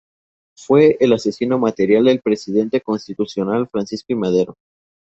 Fue el asesino material del presidente constitucional Francisco I. Madero.